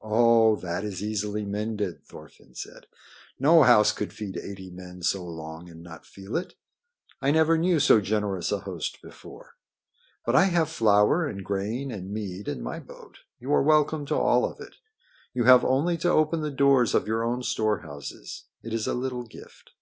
"Oh, that is easily mended," Thorfinn said. "No house could feed eighty men so long and not feel it. I never knew so generous a host before. But I have flour and grain and mead in my boat. You are welcome to all of it. You have only to open the doors of your own storehouses. It is a little gift."